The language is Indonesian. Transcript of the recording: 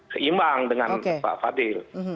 seimbang dengan pak fadil